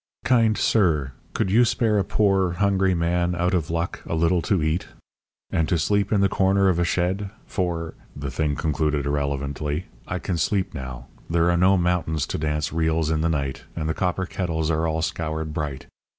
"Kind sir, could you spare a poor, hungry man, out of luck, a little to eat? And to sleep in the corner of a shed? For" the thing concluded, irrelevantly "I can sleep now. There are no mountains to dance reels in the night; and the copper kettles are all scoured bright.